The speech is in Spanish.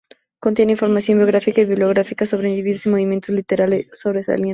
Contiene información biográfica y bibliográfica sobre individuos y movimientos literarios sobresalientes.